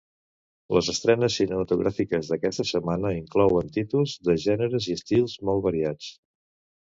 Les estrenes cinematogràfiques d'aquesta setmana inclouen títols de gèneres i estils molt variats.